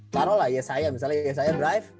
parah lah ya saya misalnya ya saya drive